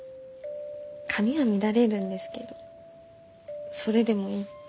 髪は乱れるんですけどそれでもいいって。